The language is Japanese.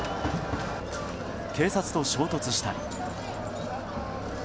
警察と衝突したり。